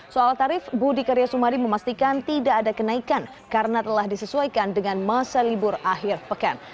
soal tarif budi karya sumadi memastikan tidak ada kenaikan karena telah disesuaikan dengan masa libur akhir pekan